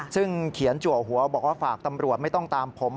ซึ่งเขียนจัวหัวบอกว่าฝากตำรวจไม่ต้องตามผม